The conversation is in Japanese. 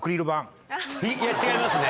いや違いますね。